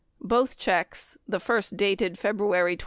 Both checks, the first, dated February 23.